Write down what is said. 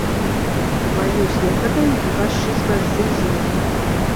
Vai jūs nepateiktu, kas šis par zizli?